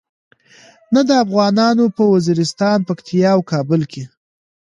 نه د افغانانو په وزیرستان، پکتیا او کابل کې.